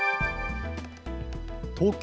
東京